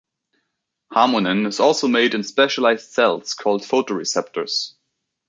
Harmonin is also made in specialized cells called photoreceptors.